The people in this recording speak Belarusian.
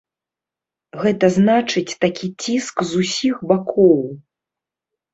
Гэта значыць, такі ціск з усіх бакоў.